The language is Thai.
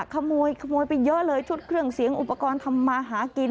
ขโมยไปเยอะเลยชุดเครื่องเสียงอุปกรณ์ทำมาหากิน